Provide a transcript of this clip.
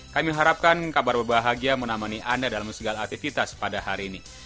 kami harapkan kabar berbahagia menemani anda dalam segala aktivitas pada hari ini